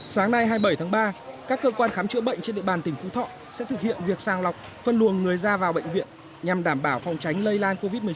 sáng nay hai mươi bảy tháng ba các cơ quan khám chữa bệnh trên địa bàn tỉnh phú thọ sẽ thực hiện việc sang lọc phân luồng người ra vào bệnh viện nhằm đảm bảo phòng tránh lây lan covid một mươi chín